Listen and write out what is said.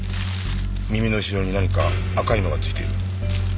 耳の後ろに何か赤いのが付いている。